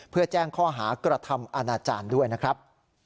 เพื่อแจ้งข้อหากระทำอาณาจารย์ด้วยนะครับ